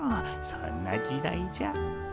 そんな時代じゃ。